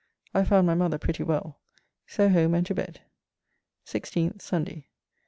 I found my mother pretty well. So home and to bed. 16th (Sunday).